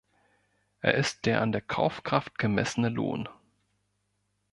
Er ist der an der Kaufkraft gemessene Lohn.